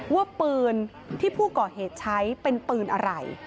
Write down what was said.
ว่าปืนที่ผู้ก่อเหตุใช้เป็นปืนอะไร